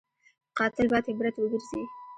قاتل باید عبرت وګرځي